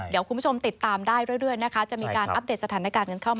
เดี๋ยวคุณผู้ชมติดตามได้เรื่อยนะคะจะมีการอัปเดตสถานการณ์กันเข้ามา